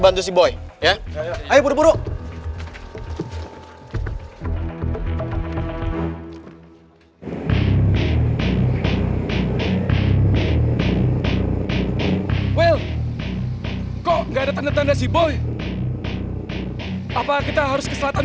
bantu si boy ya ayo buru buru kok enggak ada tanda tanda si boy apa kita harus ke selatan